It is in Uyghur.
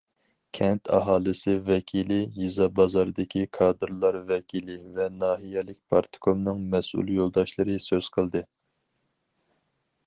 كەنت ئاھالىسى ۋەكىلى، يېزا- بازاردىكى كادىرلار ۋەكىلى ۋە ناھىيەلىك پارتكومنىڭ مەسئۇل يولداشلىرى سۆز قىلدى.